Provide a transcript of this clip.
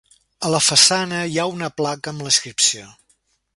A la façana hi ha una placa amb la inscripció.